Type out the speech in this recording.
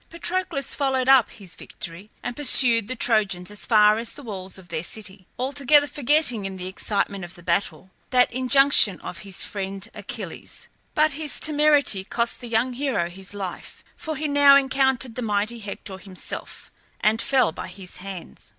Patroclus followed up his victory and pursued the Trojans as far as the walls of their city, altogether forgetting in the excitement of battle the injunction of his friend Achilles. But his temerity cost the young hero his life, for he now encountered the mighty Hector himself, and fell by his hands.